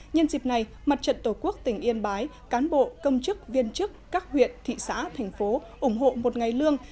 nhân dịp này mặt trận tổ quốc tỉnh yên bái cán bộ công chức viên chức các huyện thị xã thành phố ủng hộ một ngày lương